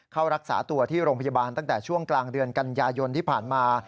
เข้ารักษาตัวที่โรงพยาบาลตั้งแต่ช่วงกลางเดือนกันยายนที่ผ่านมา